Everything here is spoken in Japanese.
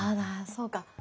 あそうか。